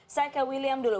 saya ke william dulu